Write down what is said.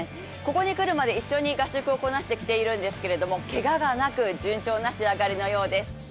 ここに来るまで一緒に合宿をこなしているんですがけががなく、順調な仕上がりのようです。